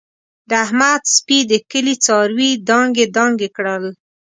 د احمد سپي د کلي څاروي دانګې دانګې کړل.